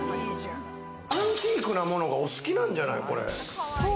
アンティークなものがお好きなんじゃない？